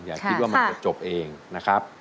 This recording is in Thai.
อย่าคิดว่ามันจะจบเองนะครับ